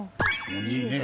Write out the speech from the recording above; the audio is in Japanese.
いいね。